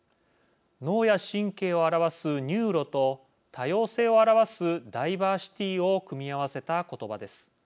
脳や神経を表すニューロと多様性を表すダイバーシティを組み合わせた言葉です。